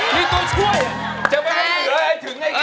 มีตัวช่วย